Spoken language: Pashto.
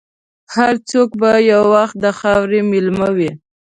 هر څوک به یو وخت د خاورې مېلمه وي.